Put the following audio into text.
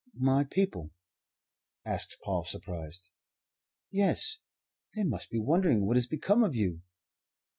"My people?" asked Paul, surprised. "Yes. They must be wondering what has become of you."